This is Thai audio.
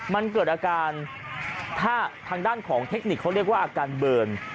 มันเกิดอาการถ้าทางด้านของเทคนิคเขาเรียกว่าอาการเบิร์น